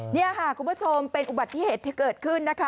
นี่ค่ะคุณผู้ชมเป็นอุบัติเหตุที่เกิดขึ้นนะคะ